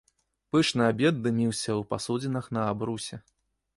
Пышны абед дыміўся ў пасудзінах на абрусе.